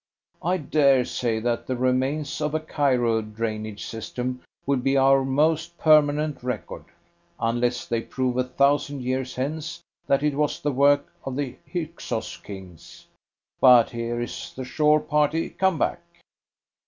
I dare say that the remains of a Cairo drainage system will be our most permanent record, unless they prove a thousand years hence that it was the work of the Hyksos kings. But here is the shore party come back."